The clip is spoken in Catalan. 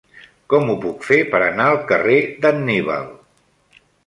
Com ho puc fer per anar al carrer d'Anníbal?